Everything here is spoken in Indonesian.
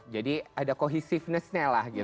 jadi ada kohesiveness nya lah